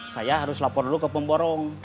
saya harus lapor dulu ke pemborong